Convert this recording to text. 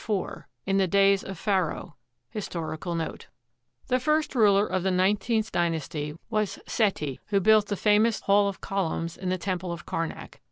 IV IN THE DAYS OF PHARAOH HISTORICAL NOTE The first ruler of the Nineteenth D)aiasty was Seti, who built the famous "Hall of Columns" in the Temple of Kar nak.